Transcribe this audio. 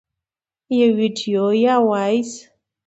- یو ویډیو یا Voice 🎧